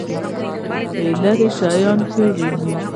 لرې شیان ښه وینئ؟